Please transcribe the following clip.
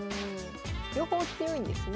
両方強いんですね。